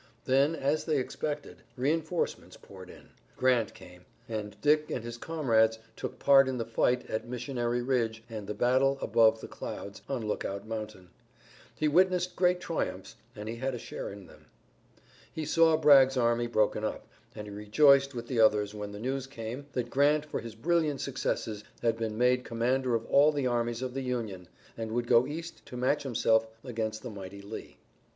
Then, as they expected, reinforcements poured in. Grant came, and Dick and his comrades took part in the fight at Missionary Ridge and the battle "above the clouds" on Lookout Mountain. He witnessed great triumphs and he had a share in them. He saw Bragg's army broken up, and he rejoiced with the others when the news came that Grant for his brilliant successes had been made commander of all the armies of the Union, and would go east to match himself against the mighty Lee.